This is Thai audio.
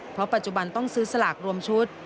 เพราะปัจจุบันต้องซื้อสลากรวมชุด